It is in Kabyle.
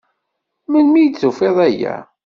Melmi i d-tufiḍ aya?